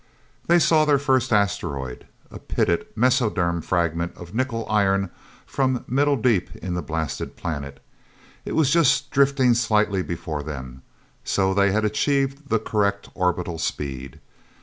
They saw their first asteroid a pitted, mesoderm fragment of nickel iron from middle deep in the blasted planet. It was just drifting slightly before them. So they had achieved the correct orbital speed.